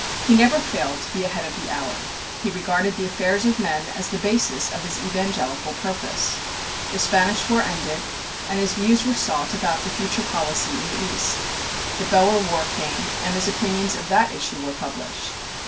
He never failed to be ahead of the hour. He regarded the affairs of men as the basis of his evangelical purpose. The Spanish war ended, and his views were sought about the future policy in the East. The Boer war came, and his opinions of that issue were published.